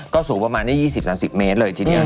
ก็สูงประมาณได้๒๐๓๐เมตรเลยทีเดียว